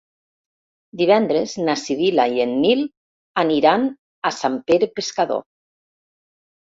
Divendres na Sibil·la i en Nil aniran a Sant Pere Pescador.